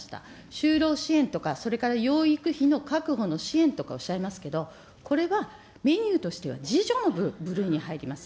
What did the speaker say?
就労支援とか、それから養育費の確保の支援とかおっしゃいますけど、これはメニューとしては自助の部類に入ります。